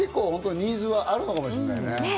ニーズがあるかもしれないね。